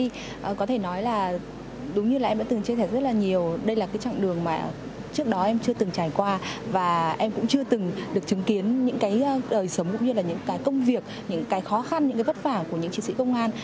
thì có thể nói là đúng như là em đã từng chia sẻ rất là nhiều đây là cái chặng đường mà trước đó em chưa từng trải qua và em cũng chưa từng được chứng kiến những cái đời sống cũng như là những cái công việc những cái khó khăn những cái vất vả của những chiến sĩ công an